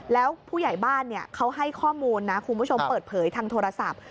แล้วผู้ใหญ่บ้านเขาให้ข้อมูลนะคุณผู้ชมเปิดเผยทางโทรศัพท์